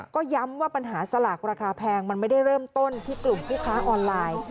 ก็ย้ำว่าปัญหาสลากราคาแพงมันไม่ได้เริ่มต้นที่กลุ่มผู้ค้าออนไลน์